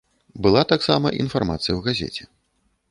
Была таксама інфармацыя ў газеце.